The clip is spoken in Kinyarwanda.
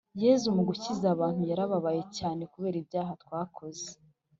Yezu mugukiza abantu yarababaye cyane kubera ibyaha twakoze